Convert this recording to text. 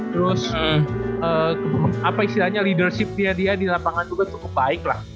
terus apa istilahnya leadership dia di lapangan juga cukup baik lah